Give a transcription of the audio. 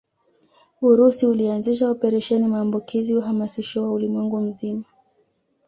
Urusi ulianzisha Operesheni maambukizi uhamasisho wa ulimwengu mzima